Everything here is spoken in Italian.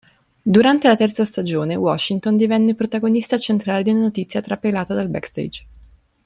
Durante la terza stagione, Washington divenne protagonista centrale di una notizia trapelata dal backstage.